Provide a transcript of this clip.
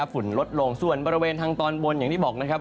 ฝนลดลงส่วนบริเวณทางตอนบนอย่างที่บอกนะครับ